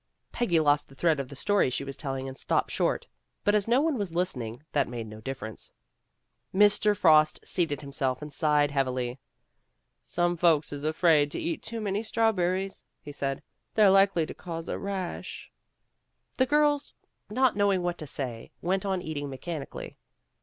Peggy lost the thread of the story she was telling and stopped short, but as no one was listening, that made no difference. Mr. Frost seated himself and sighed heavily. "Some folks is afraid to eat too many straw berries," he said. "They're likely to cause a rash. '' The girls, not knowing what to say, went on eating mechanically.